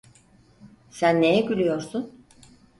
Sen neye gülüyorsun?